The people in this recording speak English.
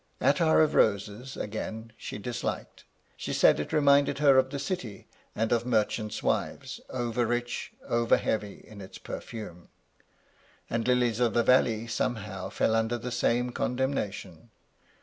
Attar of roses, again, she disliked. She said it re minded her of the city and of merchants' wives, over rich, over heavy in its perfume. And lilies of the valley some how fell under the same condemnation.